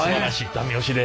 ダメ押しで。